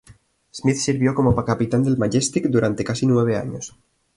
Smith sirvió como capitán del "Majestic" durante casi nueve años.